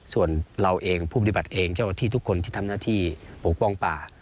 ส่วนเราเองผู้ปฏิบัติเองเจ้าหน้าที่ทุกคนที่ทำหน้าที่ปกป้องป่า